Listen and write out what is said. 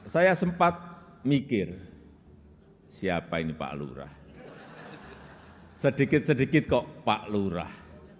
saya sempat mikir siapa ini pak lurah sedikit sedikit kok pak lurah